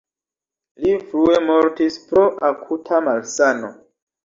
Li frue mortis pro akuta malsano.